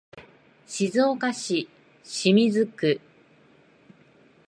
静岡市清水区